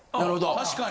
確かに！